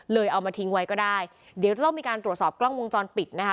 เอามาทิ้งไว้ก็ได้เดี๋ยวจะต้องมีการตรวจสอบกล้องวงจรปิดนะคะ